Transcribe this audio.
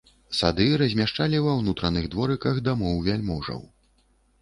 Сады размяшчалі ва ўнутраных дворыках дамоў вяльможаў.